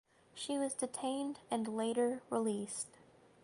She was detained and later released.